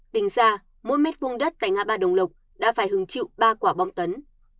tính ra mỗi mét vùng đất tại ngã ba đồng lộc đã phải hứng chịu ba quả bong tấn